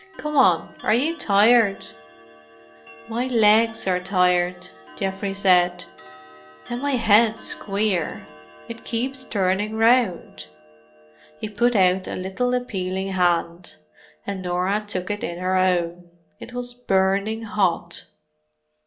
"Come on—are you tired?" "My legs are tired," Geoffrey said. "And my head's queer. It keeps turning round." He put out a little appealing hand, and Norah took it in her own. It was burning hot.